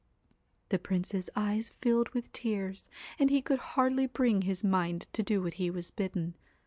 The Prince's eyes filled with tears, and he could hardly bring his mind to do what he was bidden.